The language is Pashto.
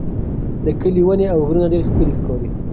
د کلي ونې او غرونه ډېر ښکلي ښکاري.